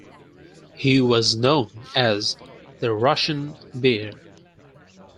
He was known as "The Russian Bear".